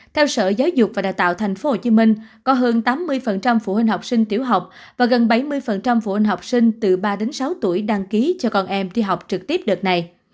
theo sở giáo dục và đào tạo tp hcm có hơn tám mươi phụ huynh học sinh tiểu học và gần bảy mươi phụ huynh học sinh từ ba đến sáu tuổi đăng ký cho con em đi học trực tiếp đợt này